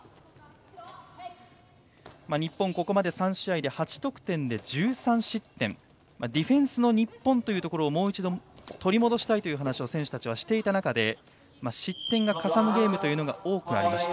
日本、ここまで３試合８得点で１３失点ディフェンスの日本というところもう一度取り戻したいという話を選手たちはしている中で失点がかさむゲームが多くありました。